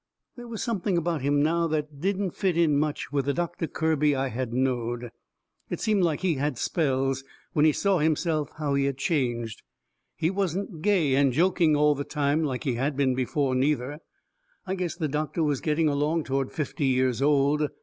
They was something about him now that didn't fit in much with the Doctor Kirby I had knowed. It seemed like he had spells when he saw himself how he had changed. He wasn't gay and joking all the time like he had been before, neither. I guess the doctor was getting along toward fifty years old.